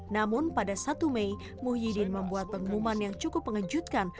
namun pada satu mei muhyiddin membuat pengumuman yang cukup mengejutkan